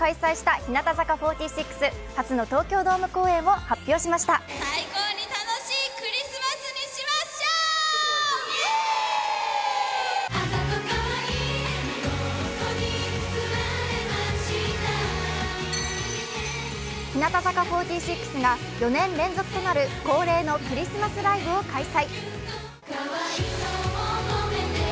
日向坂４６が４年連続となる恒例のクリスマスライブを開催。